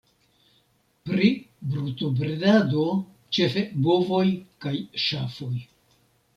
Pri brutobredado ĉefe bovoj kaj ŝafoj.